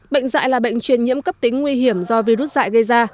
bệnh dại là bệnh truyền nhiễm cấp tính nguy hiểm do virus dại gây ra